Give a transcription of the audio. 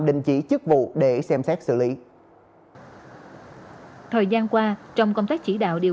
đình chỉ chức vụ để xem xét xử lý thời gian qua trong công tác chỉ đạo điều